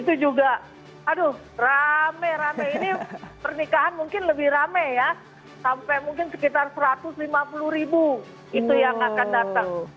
itu juga aduh rame rame ini pernikahan mungkin lebih rame ya sampai mungkin sekitar satu ratus lima puluh ribu itu yang akan datang